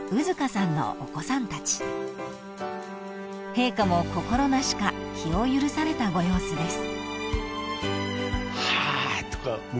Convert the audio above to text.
［陛下も心なしか気を許されたご様子です］